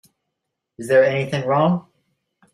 Is there anything wrong?